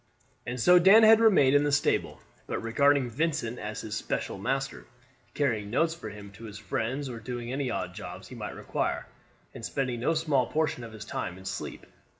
And so Dan had remained in the stable, but regarding Vincent as his special master, carrying notes for him to his friends, or doing any odd jobs he might require, and spending no small portion of his time in sleep.